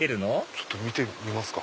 ちょっと見てみますか。